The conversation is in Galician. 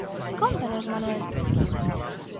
Cóntanos, Manuel.